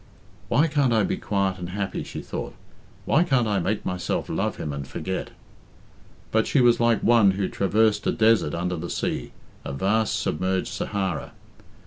"Why can't I be quiet and happy?" she thought. "Why can't I make myself love him and forget?" But she was like one who traversed a desert under the sea a vast submerged Sahara.